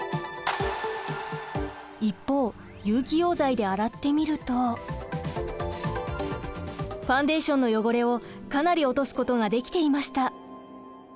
一方有機溶剤で洗ってみるとファンデーションの汚れをかなり落とすことができていました。